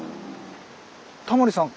タモリさん